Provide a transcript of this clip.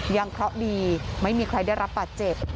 เคราะห์ดีไม่มีใครได้รับบาดเจ็บ